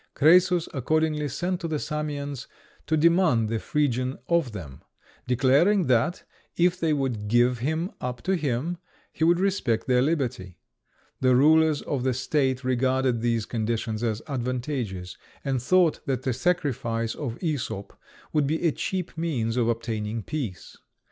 Crœsus accordingly sent to the Samians to demand the Phrygian of them; declaring that, if they would give him up to him, he would respect their liberty. The rulers of the state regarded these conditions as advantageous, and thought that the sacrifice of Æsop would be a cheap means of obtaining peace.